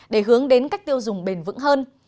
để hướng đến cách tiêu dùng bền vững hơn